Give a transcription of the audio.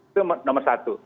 itu nomor satu